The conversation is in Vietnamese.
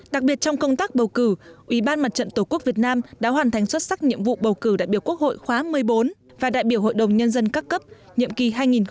đặc biệt trong công tác bầu cử ủy ban mặt trận tổ quốc việt nam đã hoàn thành xuất sắc nhiệm vụ bầu cử đại biểu quốc hội khóa một mươi bốn và đại biểu hội đồng nhân dân các cấp nhiệm kỳ hai nghìn hai mươi một hai nghìn hai mươi sáu